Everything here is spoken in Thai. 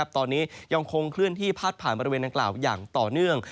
ตอนนี้ยังคงเคลื่อนที่พาดผ่านบริเวณดังกล่าวอย่างต่อเนื่อง